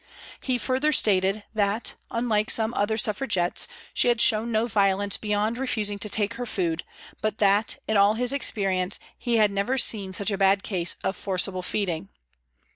He further stated that, unlike some other Suffragettes, she had shown no violence beyond refusing to take her food, but that, in all his experience, he had never seen such a bad case of forcible feeding.